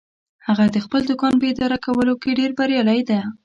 هغه د خپل دوکان په اداره کولو کې ډیر بریالی ده